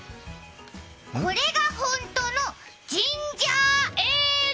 これがホントのジンジャーエール。